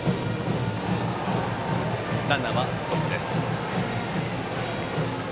ランナーはストップです。